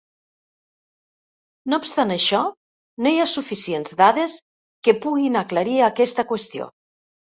No obstant això, no hi ha suficients dades que puguin aclarir aquesta qüestió.